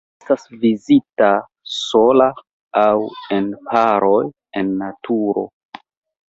Ĝi estas vidata sola aŭ en paroj en naturo.